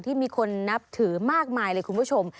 ที่มีคนนับถือมากมายเลยคุณผู้ชม